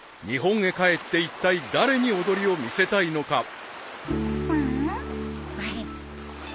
日本へ帰っていったい誰に踊りを見せたいのか］